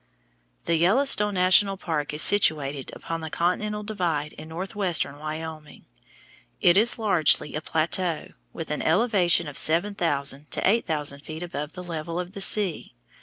The Yellowstone National Park is situated upon the continental divide in northwestern Wyoming. It is largely a plateau, with an elevation of seven thousand to eight thousand feet above the level of the sea.